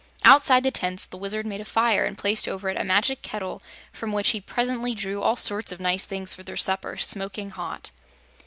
Outside the tents the Wizard made a fire and placed over it a magic kettle from which he presently drew all sorts of nice things for their supper, smoking hot.